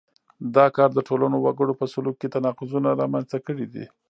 دا کار د ټولنو وګړو په سلوک کې تناقضونه رامنځته کړي دي.